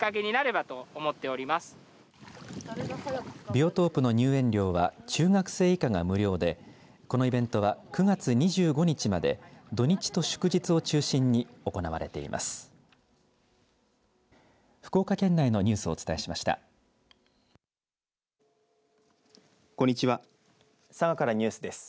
ビオトープの入園料は中学生以下が無料でこのイベントは９月２５日まで土日と祝日を中心に行われています。